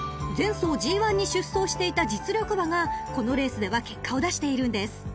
［前走ＧⅠに出走していた実力馬がこのレースでは結果を出しているんです］